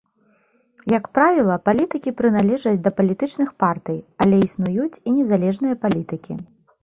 Як правіла, палітыкі прыналежаць да палітычных партый, але існуюць і незалежныя палітыкі.